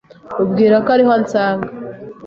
mubwira ko ariho ansanga.